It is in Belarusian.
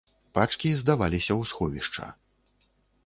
Пачкі здаваліся ў сховішча.